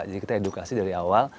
jadi kita edukasi dari awal